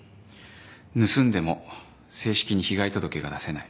盗んでも正式に被害届が出せない。